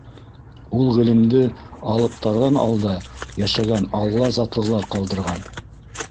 Ул ғилемде алыптарҙан алда йәшәгән алла затлылар ҡалдырған.